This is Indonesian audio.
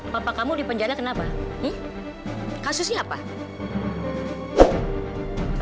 papa kamu dipenjara kenapa kasusnya apa